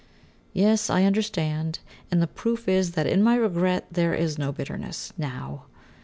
Yes, I understand; and the proof is, that in my regret there is no bitterness now.